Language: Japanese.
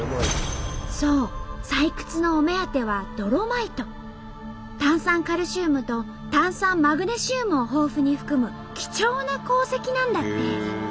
そう採掘のお目当ては炭酸カルシウムと炭酸マグネシウムを豊富に含む貴重な鉱石なんだって。